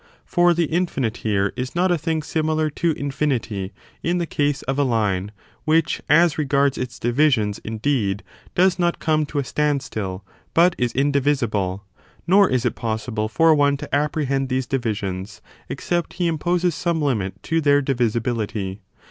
for the in finite here is not a thing similar to infinity in the case of a line, which, as regards its divisions, indeed, does not come to a stand still, but is indivisible ; nor is it possible for one to apprehend these divisions, except he imposes some limit to their divisibility.